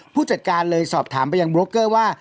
ผู้จัดการเลยสอบถามไปยังโบรกเกอร์ว่า